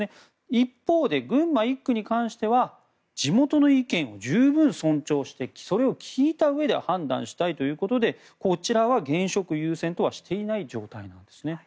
一方で群馬１区に関しては地元の意見を十分、尊重してそれを聞いたうえで判断したいということでこちらは現職優先とはしていないんですね。